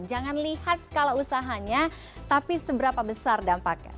jangan lihat skala usahanya tapi seberapa besar dampaknya